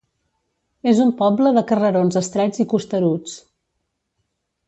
És un poble de carrerons estrets i costeruts.